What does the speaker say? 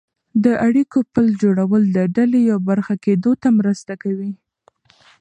د اړیکو پل جوړول د ډلې یوه برخه کېدو ته مرسته کوي.